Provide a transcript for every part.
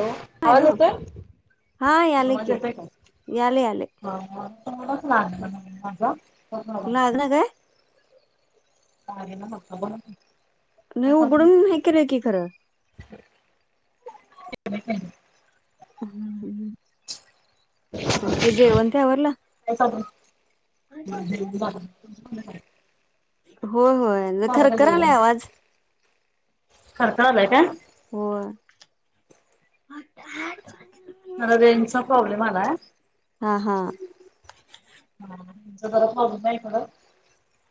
हॅ आवाज हॅलो येतोय? आवाज येतोय का? आले आले. तुला आज ना [inaudible] काय [unintelligible] नाही काय चाललंय? उघडून् हे केलंय की खरं हम्म अन् ते जेवन थेवरलं? त्याचव [inaudible] - हो होय. खरखरालाय आवाज [inaudible] कंटाळ आलाय काय? होय, मला रेंजचा प्रॉब्लेम आलाय. हा हा [unintelligible]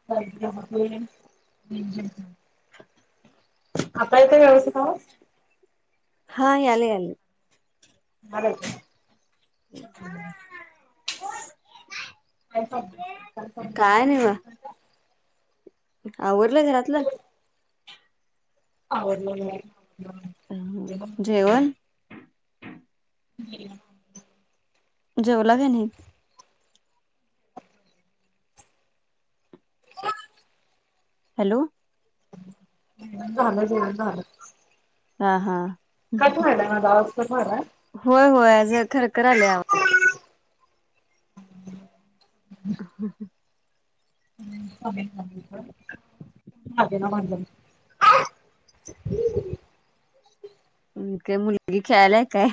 [unintelligible] आता येतोय व्यवस्तित आवाज? हा, याले याले. [inaudible] [inaudible] काय [unintelligible] आव्वरलंय घरातलं? आवरलं हम्म. [unintelligible] जेवण [inaudible] जेवला काय नाही हॅलो झाल जेवण झालं हा हा कट व्हायलाय माझा आवाज कट व्हायलाय होय होय खरखर लालय आवाज [inaudible] कधी कधी तर लागेना भांडण हू ते मुलगी खेळाल्या काय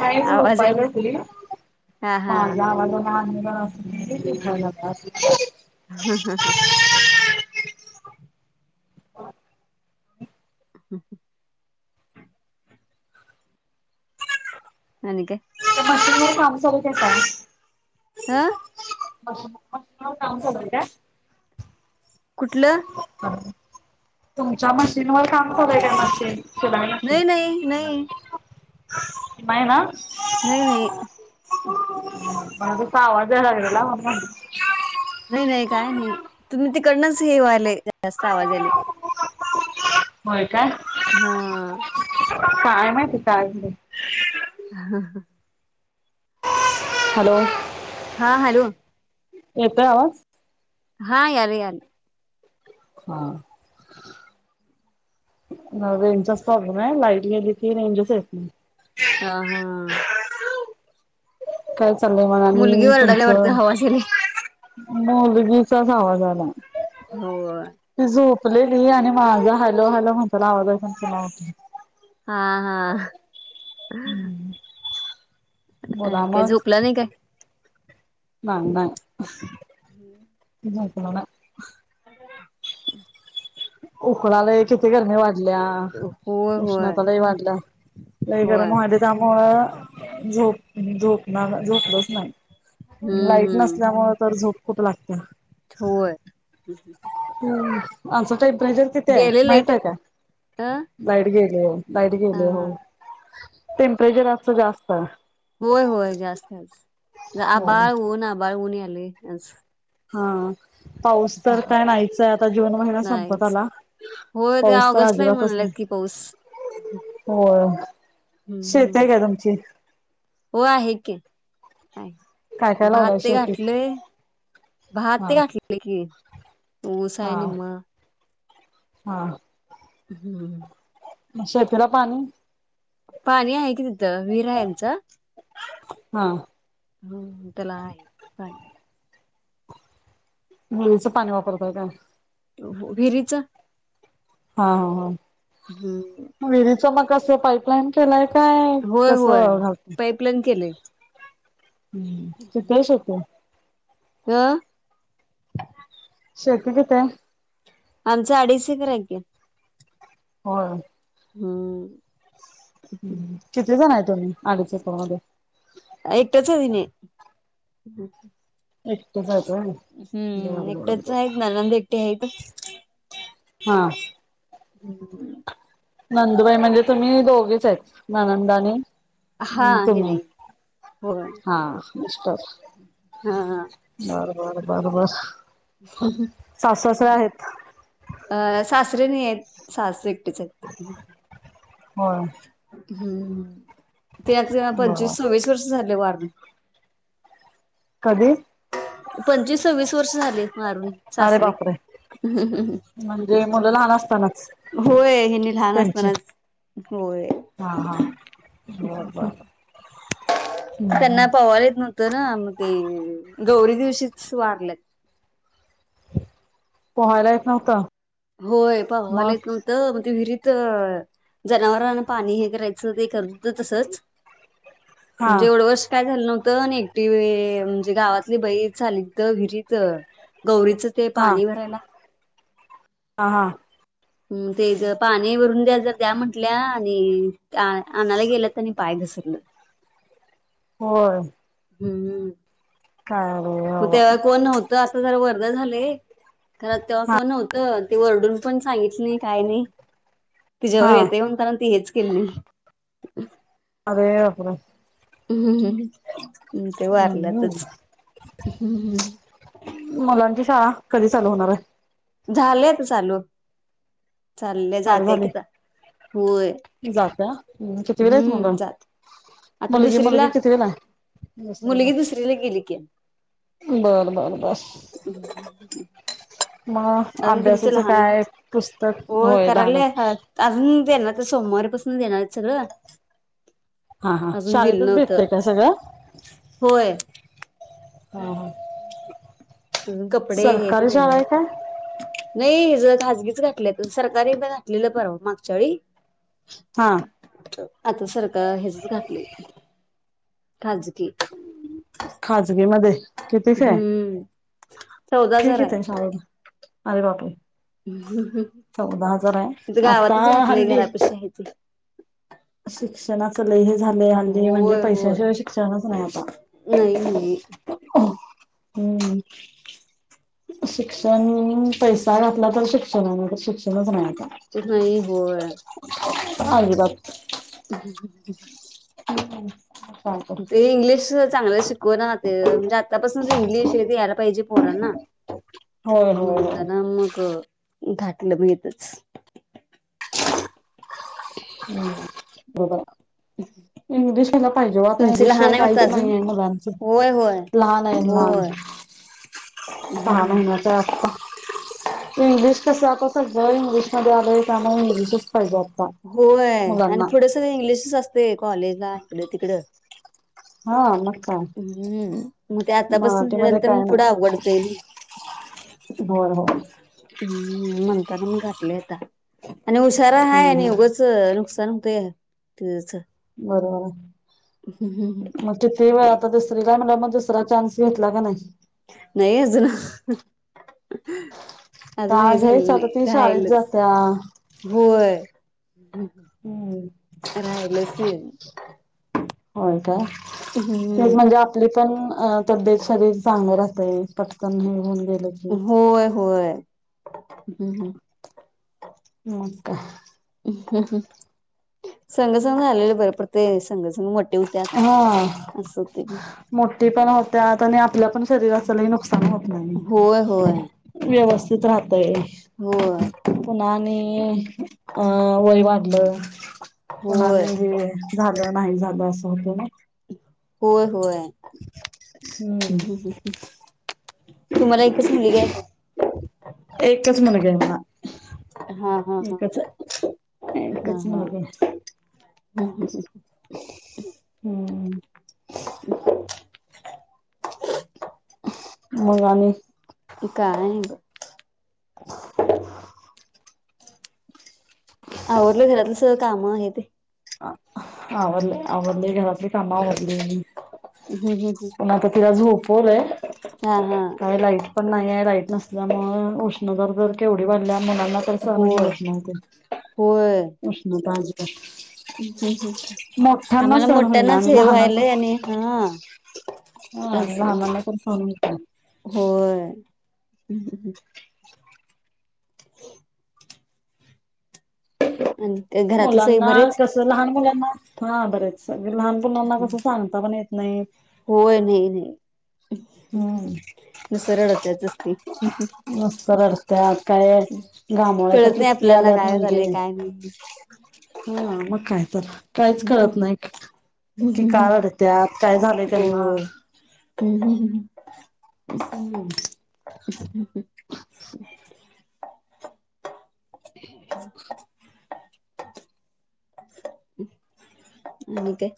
नाई आवाज झोपाय यायला बसली हा हा माझा आवाज [unintelligible] [unintelligible] [unintelligible] हू आणि काय ते मशीनवर काम चालवत्यासा ह अ मशीनवर काम चालू हाय काय कुठलं तुमच्या मशीन वर काम चालूय का मशीन शिलाई मशीन नाही नाही नाही नाही ना नाही नाही मला तसा आवाज यालागलेला म्हणून म्हटलं नाही नाही काय नाही तुम्ही तिकडनंच हे वाायलय जास्त आवाजा यालय होय काय हा काय माहीती काय आणलय हा हा हॅलो हा हॅलो येतोय आवाज हा यालय यालय हा रेंजचाच प्रॉब्लेम हाय लाईट गेली की रेंजच येत नाही ह हा काय चाललंय म मुलगी आणि वरडाल्या वाटत तुमचं आवाज यायलय मुलगीचाचं आवाज आला होय ती झोपलेली आणि माझा हॅलो हॅलो म्हणतेला आवाज ऐकून पून्हा उठली हा हा बोला आणि काय मं झोपला नाही काय नाय नाय झोपलो ना [inaudible] उकडालय किती गरमी वाढलीया. होय होय उष्णता लय वाढलीया लय होय गरम व्हालय. त्यामुळ झोप झोपणार झोपलच नाही. हम्म लाईट हम्म नसल्यामुळं तर झोप कुठं लागतीया. होय. हम् आमचं टेंपरेचर कितेय आहे गेले लाईट माहितय अ हाय कायं? लाईट गेलीय लाईट गेलीय हो हा टेम्परेचर आजच जास्त होय होय जास्तच होय. आबाळ ऊन आबाळ ऊन यायलंय आज हं पाऊस तर काय नाहीचाय आता जून महिना संपत आला. हो ते ऑगस्टला म्हणलयं की पाऊस हो शेत हम्म आहे काय तुमची? हो आहे कि आहे. काय काय भात लावलंय ते शेतीत? घाठलयं भात हा ते घाठले. घातलयं की ऊस हाय निम्मा हां. हम्म. शेतीला पाणी? पाणी आहे की तिथं विहीर यांचं. हं. हम् त्याला आहे पाणी. विहिरीचं पाणी वापरतोय कायं? विहिरीचं. हा हा हा. हम्म. विहिरीच मग असं पाईपलाईन केलंय काय कसं घाल प्लेन केलय. किताय शेती? [unintelligible] शेती किती हाय? आमचं अडीच एकर हाय की होय. हम्म. किती जण हाय तुम्ही? अडीच एकरमध्ये एकटेच हेनी. एट जाका हम्म एकटच आहेत ननंद एकटी हायते हा. [inaudible] नंदुबाई म्हणजे तुम्ही दोघेच आहेत ननंदा आणि हा हम् हे तुम्ही नाही होय हा नुसताच. हा हा. बर बर बर बर. हम् हम. सासू, सासरे आहेत? अ सासरे नाहीयेत सासू एकटेच आहेत. होय. हम्म ते अ बर पंचवीस सव्वीस वर्ष झाले वारून. कधी? पंचवीस सव्वीस वर्ष झाली वारून अरे सासरीे. बापरे म्हणजे मुलं लहान असतानाच? होय हेनी लहान त्यांची असतानाच होय. हा हा बर बर त्यांना हम्म पवायला येत न व्हतं तर ना मग ते गौरी दिवशीच वारलेत. पोहायला येत नव्हतं? होय पहवायला मग नव्हतं मग ते विहिरीत जनावरांना पाणी हे करायचं ते करत तसंच हा जेवढं वर्ष काय झालं नव्हतं, नी एकटी बाई म्हणजे गावातली बाई चालली तर विहिरीत गौरीचं ते हा पाणी भरायला हा हा. हम्म ते ज पाणी भरून द्या जर द्या म्हंटल्या आणि आणायला गेल्यात त्यांनी पाय घसरलं. होय. हम्म हम्म. काय ग? मग तेव्हा कोण नव्हतं, आता जरा वर्दळ झाले खरं तेव्हा हा कोण नव्हतं. ती ओरडून पण सांगितली नाही काय नाही, तिच्यावर हा येते म्हणून त्यांन ती हेच केली नाही. अरे बापरे. हम्म हम्म् ते हम्म वारलातच हम्म. मुलांची शाळा कधी चालू होणार आहे? झालंय आता चालू चालले जाते कि आता होय. जातं. हम् कितविला आहेत हम्म मुलं? जात आता मुलगी मुलगी दुसरीला कितविला आहे? दुसरीला. मुलगी दुसरीला गेली की. बर बर बस. अजून तुमचं अभ्यासाचं लहान आहे, काय पुस्तक होय लहान करायले आहे. [unintelligible] अजून देणार सोमवारीपासून देणार सगळं. हा हा अजून दिलं शाळेतच भेटतेय नव्हतं का सगळं? होय हा अजून कपडे हे ते सरकारी देणार शाळाय आहेत काय? नाही, हे ज खाजगीचं घातल्यात, सरकारने प घाातलेलं परर वा मागच्यावेळी. हा. आता सरकार हेचच घातले खाजगी. खाजगी मध्ये किती फी आहे? हम्म चौदा फि हजार आहे कीती हाय शाळेत? अरे बाप रे चौदा हजार आहे, इथं आता गावातच घातलंय हल्ली [unintelligible] शिक्षणाचं लय हे झाले हल्ली म्हणजे होय होय पैशाशिवाय शिक्षणचं नाही आता. नाही नाही. हम्म शिक्षण पै सा घातला तर शिक्षण आहे नाही तर शिक्षणचं नाय आता. तस नाही होय. हांज बाक् [inaudible] ह ह [unintelligible] हम [inaudible] ते इंग्लिश चांगलं शिकव राह ते म्हणजे आतापासून इंग्लिश ते यायला पाहिजे पोरांना. होय होय होय म्हणताना मग, घाटलं मग हितच. हम्म [inaudible] बरोबर आहे. ह [inaudible] इंग्लिशला यायला पाहिजे ओ आता, इंग्लिशला काहीच नाही अजून आहे मुलांचं, होय होय लहान आहे लहान- होय [inaudible] सहा हम्म. महिन्याच असत, इंग्लिश कस- सगळं इंग्लिशमध्येध आलंय त्यामुळे इंग्लिशच पाहिजे. होय, आणि मुलांना पुढं सगळ इंग्लिशच असते कॉलेजला इकड -तिकडं- हा मग काय हम्म, मग ते आतापासून हे मराठीमध्ये झालं तर पुढं अवघडत जाईल. ह [inaudible] होर हो [unintelligible] ह्, म्हणताना मग घातले आता आणि उशारा हाय हम्म हम्म उगच नुकसान होतय, तच बरोबर आहे. मग किती वेळ आता दुसरीला म्हणाल्यावर मग दुसरा चान्स घेतला का नाही? नाही आजून. आजुन का वेळ हेच झालेली आता नाही. ती शाळेत राहीलच जात्या. होय, हम्म. राहिलच होय का? ह हं [unintelligible] हेच म्हणजे आपली पण तबेत शरीर चांगल राहतं. पटकन हे होऊन गेलं की, होय होय, हम्म हम्म. म काय? संघ- संघ आलेला बर पडते, संघसघ मोठ हा मोठी पण होत्या आणि आपल्या पण शरीराच लय नुक होत नाही. होय होय व्यवस्थित राहतय होय पुन्हा आणि, वय वाढलं, पुन्हा होय. आणि हे झालं नाही झालं असं होतं ना. होय होय. हम्म तुम्हाला एकच मुलगी आहे का? एकच मुलगी आहे मला. हा हा हा एकच हे, हा एकच हा. मुलगी हम्म. [inaudible] मंग आणि? काय नाही. ह [inaudible] आवर्लं घरातलं सगळं काम हे ते अ आवरली आवरली घरातली काम आवरलेली हम्म हम्म हम्म. पण आता तिला झोपवलय हा हा काय लाईट पण नाही आहे लाईट नसल्यामुळे उष्णता तर केवढी वाढल्या मुलांना तर सहनच होय होत नाही ते होय. उष्णता [inaudible] [inaudible] मोठ्यांना आम्हाला सहन होईना मोठ्यांनाच आणि हे लहानांना व्हायलंय आणि हा हा आणि असं. लहानाना पण सहन होत नाही होय आणि घरातले सगळे मुलांना बरेच? कसं कसं लहान मुलांना हा बरे आहेत सगळे लहान मुलांना कसं सांगता पण येत नाही होय नई नई हम्म नुसत रडत्यातच ती त्यात काय आणि घामोळ्या तर कळत नाही किती आपल्याना आल्यात काय म्हणजे झालंय काय नाही हा मग काय तर काहीच कळत नाही कि का रडत्यात काय झालंय त्यांना हम हम हम हम [inaudible] [inaudible] आणि काय